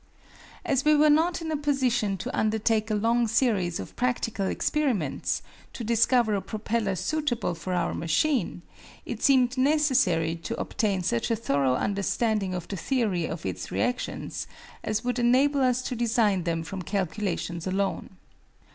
As we were not in a position to undertake a long series of practical experiments to discover a propeller suitable for our machine, it seemed necessary to obtain such a thorough understanding of the theory of its reactions as would enable us to design them from calculations alone.